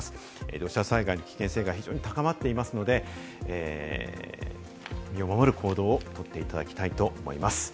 土砂災害の危険が非常に高まっていますので、身を守る行動をとっていただきたいと思います。